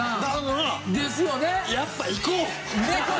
ですよね！